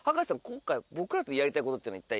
今回僕らとやりたいことっていうのは一体？